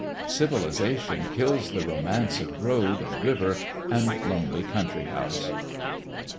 Civilization kills the romance of road, and river, and lonely country house.